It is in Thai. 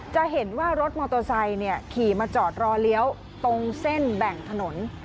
จะเห็นว่ารถมอเตอร์ไซค์ขี่มาจอดรอเลี้ยวตรงเส้นแบ่งถนน